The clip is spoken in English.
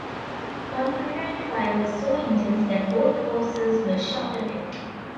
Confederate fire was so intense that both hawsers were shot away.